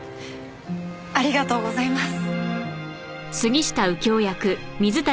ありがとうございます。